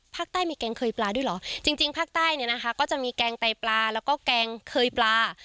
ภาคใต้มีแกงเคยปลาด้วยเหรอจริงจริงภาคใต้เนี่ยนะคะก็จะมีแกงไตปลาแล้วก็แกงเคยปลา